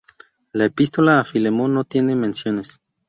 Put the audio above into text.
La epístola a Filemón no tiene menciones.